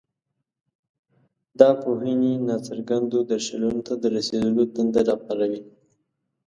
دا پوهنې ناڅرګندو درشلونو ته د رسېدلو تنده راپاروي.